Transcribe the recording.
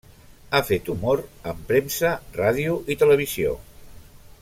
Ha fet humor en premsa, ràdio i televisió.